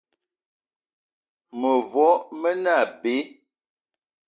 Mevo me ne abe.